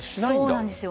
そうなんです。